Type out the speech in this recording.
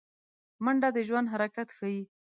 منډه د ژوند حرکت ښيي